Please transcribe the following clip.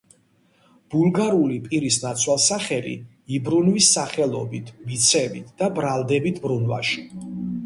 ბულგარული პირის ნაცვალსახელი იბრუნვის სახელობით, მიცემითი და ბრალდებით ბრუნვაში.